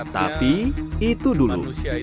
tapi itu dulu